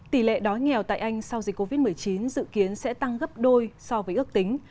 tỷ lệ đói nghèo tại anh sau dịch covid một mươi chín dự kiến sẽ tăng gấp đôi so với ước tính